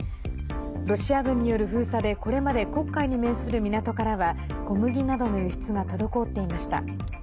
ロシア軍による封鎖でこれまで黒海に面する港からは小麦などの輸出が滞っていました。